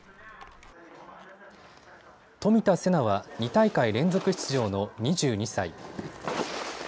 冨田せなは２大会連続出場の２２歳。